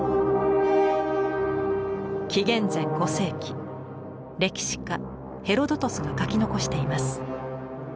紀元前５世紀歴史家ヘロドトスが書き残しています。